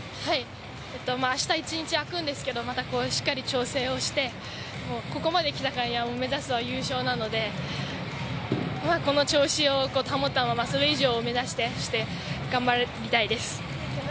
明日一日あくんですけどしっかり調整をしてここまできたからには目指すは優勝なので、この調子を保ったまま、それ以上を目指して頑張りたいです。